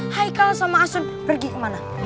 haikal sama asun pergi kemana